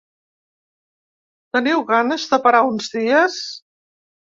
Teniu ganes de parar uns dies?